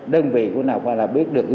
đơn vị cũng là biết được